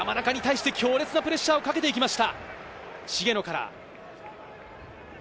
山中に対して強烈なプレッシャーをかけていきました。